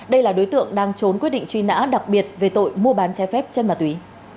đây là đối tượng đang trốn quyết định truy nã đặc biệt về tội mua bán trái phép chân ma túy